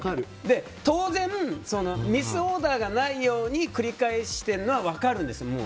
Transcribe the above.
当然、ミスオーダーがないように繰り返しているのは分かるんですよ。